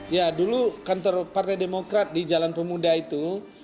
ya dulu kantor partai demokrat di jalan pemuda itu